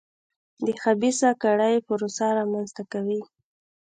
د خبیثه کړۍ پروسه رامنځته کوي.